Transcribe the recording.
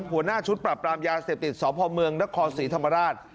หัวหน้าชุดปรับปรามยาเสพติดสพเมืองนครศรีธรรมราช